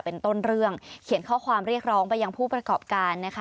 เป็นต้นเรื่องเขียนข้อความเรียกร้องไปยังผู้ประกอบการนะคะ